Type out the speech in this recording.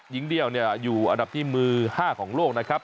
หญิงเดียวอยู่อันดับที่มือ๕ของโลกนะครับ